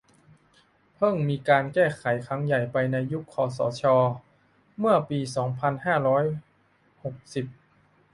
เพิ่งมีการแก้ไขครั้งใหญ่ไปในยุคคสช เมื่อปี สองพันห้าร้อยหกสิบ